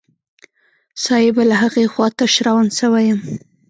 صايبه له هغې خوا تش روان سوى يم.